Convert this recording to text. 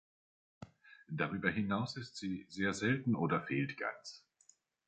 Darüber hinaus ist sie sehr selten oder fehlt ganz.